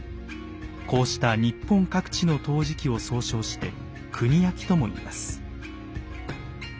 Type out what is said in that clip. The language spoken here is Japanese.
こうした日本各地の陶磁器を総称して国焼とも言います。